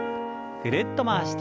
ぐるっと回して。